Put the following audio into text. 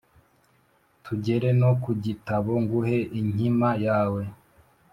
tugere no ku gitabo nguhe inkima yawe